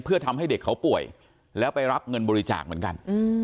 เพื่อทำให้เด็กเขาป่วยแล้วไปรับเงินบริจาคเหมือนกัน